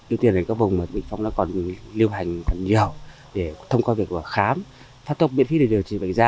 ưu tiên là các vùng bệnh phong còn lưu hành còn nhiều để thông qua việc khám phát tốc miễn phí để điều trị bệnh gia